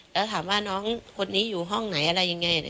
แล้วถามว่าน้องคนนี้อยู่ห้องไหนอะไรยังไง